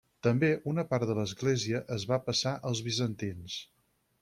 També una part de l'església es va passar als bizantins.